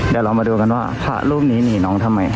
เฮ้ยเจ้าหนีทำไม